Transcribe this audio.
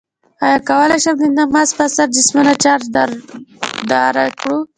آیا کولی شو د تماس په اثر جسمونه چارج داره کړو؟